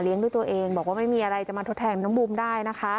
เลี้ยงด้วยตัวเองบอกว่ามีอะไรจะมาทฤแทนน้องบุ้มได้